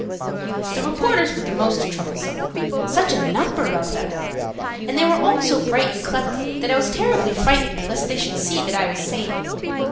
The reporters were the most troublesome. Such a number of them! And they were all so bright and clever that I was terribly frightened lest they should see that I was sane.